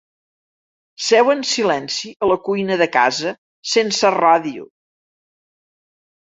Seu en silenci a la cuina de casa, sense ràdio.